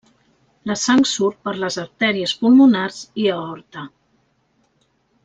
La sang surt per les artèries pulmonars i aorta.